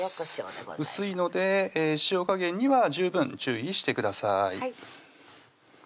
薄いので塩加減には十分注意してください